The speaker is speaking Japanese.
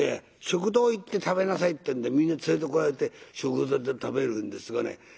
食堂行って食べなさいってんでみんな連れてこられて食堂で食べるんですがね